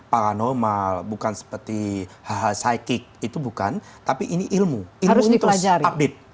paranormal bukan seperti hal hal psychic itu bukan tapi ini ilmu harus dipelajari